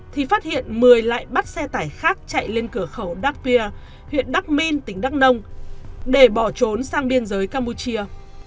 thì phát hiện mười lại bắt xe tải khác chạy lên cửa khẩu đắc pia huyện đắc minh tỉnh đắc đông để bỏ trốn sang biên giới campuchia